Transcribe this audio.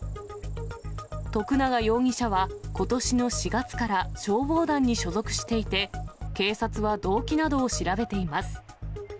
徳永容疑者はことしの４月から消防団に所属していて、警察は動機などを調べています。